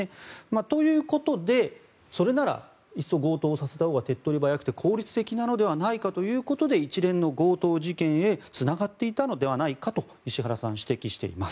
ということでそれならいっそ強盗させたほうが手っ取り早くて効率的なのではないかということで一連の強盗事件へつながっていったのではないかと石原さんは指摘しています。